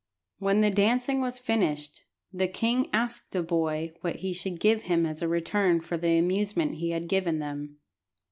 When the dancing was finished, the king asked the boy what he should give him as a return for the amusement he had given them.